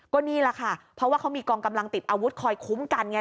ก็นี่แหละค่ะเพราะว่าเขามีกองกำลังติดอาวุธคอยคุ้มกันไง